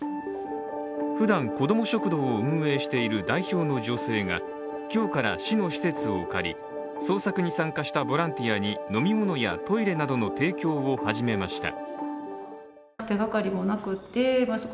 ふだん、こども食堂を運営している代表の女性が今日から市の施設を借り、捜索に参加したボランティアに飲み物やトイレなどの提供を始めました。